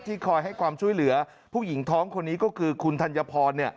คอยให้ความช่วยเหลือผู้หญิงท้องคนนี้ก็คือคุณธัญพร